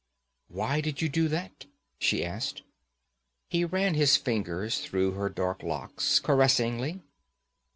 'Why did you do that?' she asked. He ran his fingers through her dark locks caressingly.